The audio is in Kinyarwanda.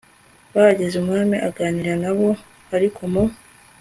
bahageze umwami aganira na bo ariko mu